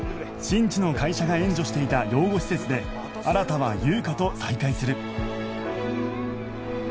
信二の会社が援助していた養護施設で新は優香と再会する